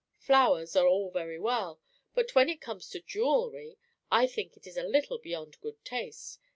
Flowers are all very well; but when it comes to jewellery, I think it is a little beyond good taste.